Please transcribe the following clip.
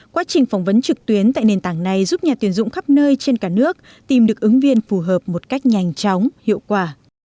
quá trình phỏng vấn trực tuyến tại nền tảng này giúp nhà tuyển dụng khắp nơi trên cả nước tìm được ứng viên phù hợp một cách nhanh chóng hiệu quả